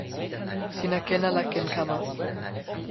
sina ken ala ken kama?